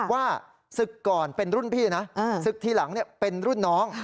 ว่าศึกก่อนเป็นรุ่นพี่นะศึกทีหลังเป็นรุ่นน้อง